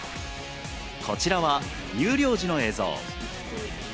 こちらは入寮時の映像。